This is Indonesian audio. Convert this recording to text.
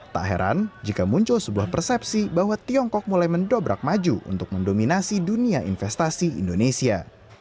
tak heran jika muncul sebuah persepsi bahwa tiongkok mulai mendobrak maju untuk mendominasi dunia investasi indonesia